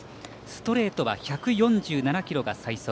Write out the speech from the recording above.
ストレートは１４７キロが最速。